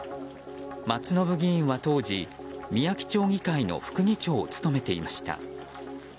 松信議員は、当時みやき町議会の副議長を務めていました。